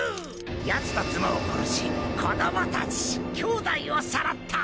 ヤツと妻を殺し子供たち兄妹をさらった！